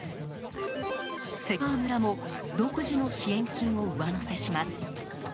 関川村も独自の支援金を上乗せします。